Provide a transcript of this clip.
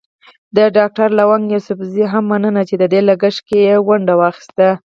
د ډاکټر لونګ يوسفزي هم مننه چې د دې لګښت کې يې ونډه اخيستې.